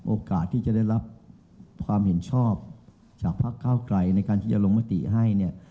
โอกาสที่จะได้รับความเห็นชอบจากพักเก้าไกลในการที่จะลงมติให้เนี่ย